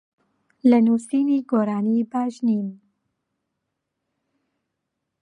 لە نووسینی گۆرانی باش نیم.